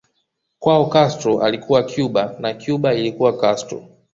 Kwao Castro alikuwa Cuba na Cuba ilikuwa Castro